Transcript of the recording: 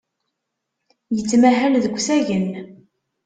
Yettmahal deg usagen.